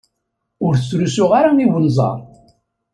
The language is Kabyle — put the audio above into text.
Ur t-srusuy ara i unẓar!